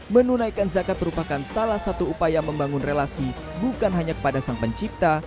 menunaikan zakat merupakan salah satu upaya membangun relasi bukan hanya kepada sang pencipta